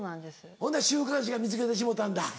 ほんで週刊誌が見つけてしもうたんだ。